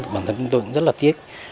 bản thân tôi cũng rất là tiếc